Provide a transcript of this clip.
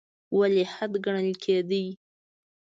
ولیعهد ګڼل کېدی.